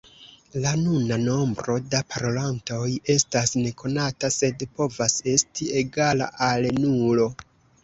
La nuna nombro da parolantoj estas nekonata sed povas esti egala al nulo.